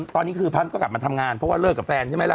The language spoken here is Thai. ตอนนี้คือพันธุ์ก็กลับมาทำงานเพราะว่าเลิกกับแฟนใช่ไหมล่ะ